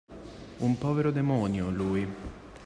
Un povero demonio, lui!